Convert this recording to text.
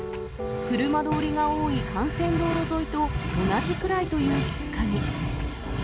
車どおりが多い幹線道路沿いと同じくらいという結果に。